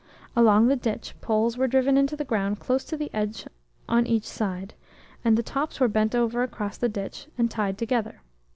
Along the ditch, poles were driven into the ground close to the edge on each side, and the tops were bent over across the ditch and tied together.